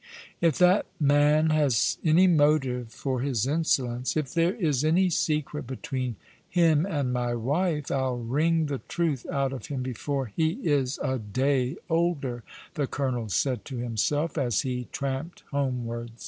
" If that man has any motive for his insolence — if there is any secret between him and my wife, I'll wring the truth out of him before he is a day older," the colonel said to himself, as he tramped homewards.